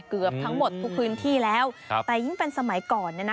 เกือบทั้งหมดทุกพื้นที่แล้วแต่ยิ่งเป็นสมัยก่อน